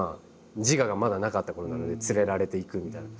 自我がまだなかったころなので連れられて行くみたいな。